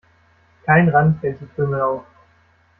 Kein Rand hält die Krümel auf.